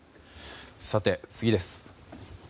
さて、次です。